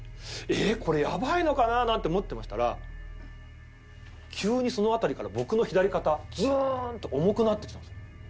えっこれやばいのかななんて思ってましたら急にその辺りから僕の左肩ズーンと重くなってきたんですよ。